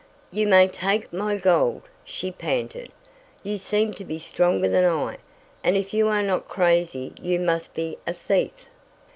"You may take my gold," she panted. "You seem to be stronger than I, and if you are not crazy you must be a thief!"